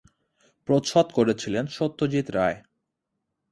প্রচ্ছদ করেছিলেন সত্যজিৎ রায়।